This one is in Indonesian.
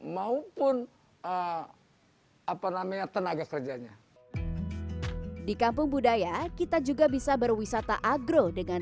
maupun apa namanya tenaga kerjanya di kampung budaya kita juga bisa berwisata agro dengan